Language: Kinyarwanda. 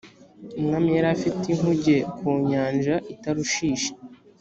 umwami yari afite inkuge ku nyanja i tarushishi